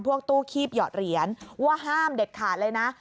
พวกตู้คีบหยอดเหรียญว่าห้ามเด็ดขาดเลยนะ